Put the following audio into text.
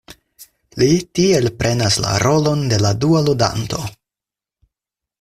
Li tiel prenas la rolon de la dua ludanto.